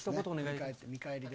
見返りで。